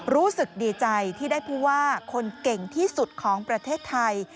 รู้สึกดีใจที่ได้ผู้ว่าคนเก่งที่สุดของประเทศไทย